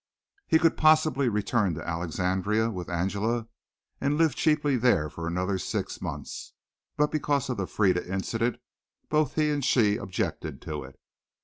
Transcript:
He could possibly return to Alexandria with Angela and live cheaply there for another six months, but because of the Frieda incident both he and she objected to it.